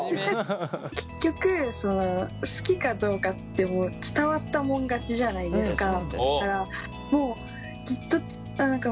結局好きかどうかって伝わったもん勝ちじゃないですか。